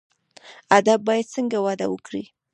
ادب باید څنګه وده وکړي؟